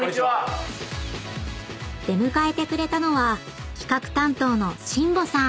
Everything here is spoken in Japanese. ［出迎えてくれたのは企画担当の新保さん］